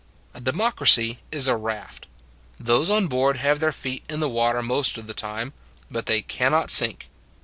A democracy is a raft; those on board have their feet in the water most of the time, but they can not sink.